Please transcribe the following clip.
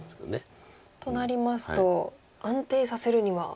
となりますと安定させるには。